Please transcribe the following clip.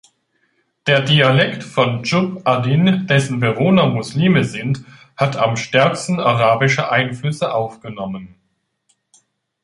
Der Dialekt von Dschubb-'Adin, dessen Bewohner Muslime sind, hat am stärksten arabische Einflüsse aufgenommen.